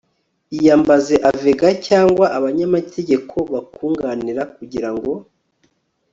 iyambaze avega cyangwa abanyamategeko bakunganira kugira ngo